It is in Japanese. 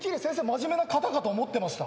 真面目な方かと思ってました。